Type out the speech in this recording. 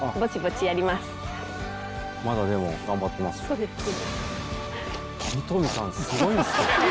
そうですね。